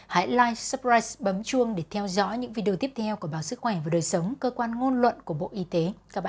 hãy live supprise bấm chuông để theo dõi những video tiếp theo của báo sức khỏe và đời sống cơ quan ngôn luận của bộ y tế